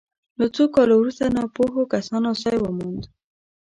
له څو کالو وروسته ناپوهو کسانو ځای وموند.